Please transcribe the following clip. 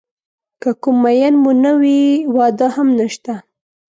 که کوم مېن مو نه وي واده هم نشته.